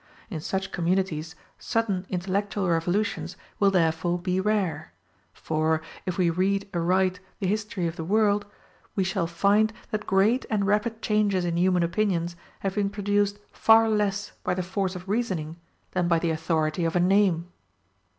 In such communities sudden intellectual revolutions will therefore be rare; for, if we read aright the history of the world, we shall find that great and rapid changes in human opinions have been produced far less by the force of reasoning than by the authority of a name.